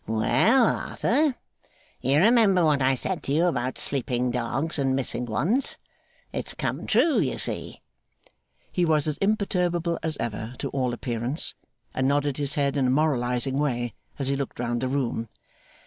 'Well, Arthur. You remember what I said to you about sleeping dogs and missing ones. It's come true, you see.' He was as imperturbable as ever, to all appearance, and nodded his head in a moralising way as he looked round the room.